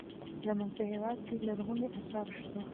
زموږ په هېواد کې لرغوني اثار شته.